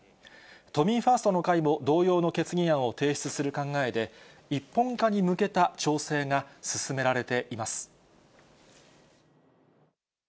都民ファーストの会も同様の決議案を提出する考えで、一本化に向けた調整が進められています。